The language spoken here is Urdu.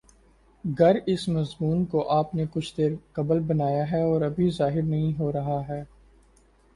گر اس مضمون کو آپ نے کچھ دیر قبل بنایا ہے اور ابھی ظاہر نہیں ہو رہا ہے